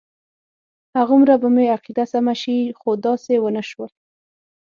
هغومره به مې عقیده سمه شي خو داسې ونه شول.